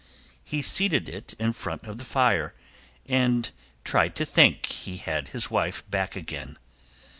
He seated it in front of the fire and tried to think he had his wife back again.